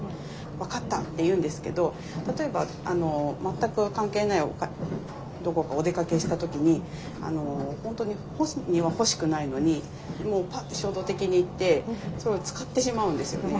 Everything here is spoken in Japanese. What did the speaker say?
「分かった」って言うんですけど例えば全く関係ないどこかお出かけした時に本当に本人は欲しくないのにもうパッて衝動的に行って使ってしまうんですよね。